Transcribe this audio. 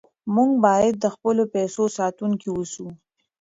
موږ باید د خپلو پیسو ساتونکي اوسو.